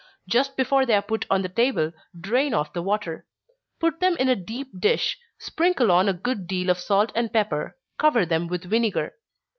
Just before they are put on the table, drain off the water. Put them in a deep dish; sprinkle on a good deal of salt and pepper cover them with vinegar.